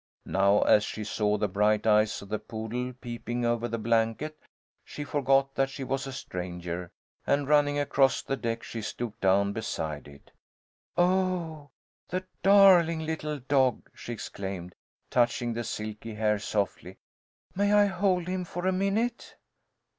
Now as she saw the bright eyes of the poodle peeping over the blanket, she forgot that she was a stranger, and running across the deck, she stooped down beside it. "Oh, the darling little dog!" she exclaimed, touching the silky hair softly. "May I hold him for a minute?"